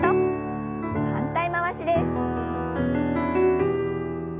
反対回しです。